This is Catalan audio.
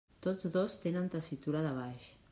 Tots dos tenen tessitura de baix.